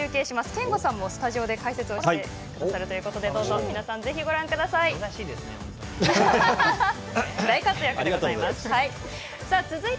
憲剛さんもスタジオで解説してくださるということでどうぞ皆さん、ぜひご覧ください。